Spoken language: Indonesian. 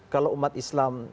kalau umat islam